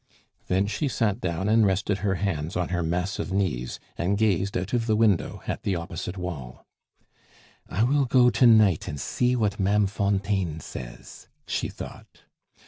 Then she sat down and rested her hands on her massive knees, and gazed out of the window at the opposite wall. "I will go to night and see what Ma'am Fontaine says," she thought.